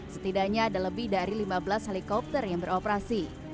setidaknya ada lebih dari lima belas helikopter yang beroperasi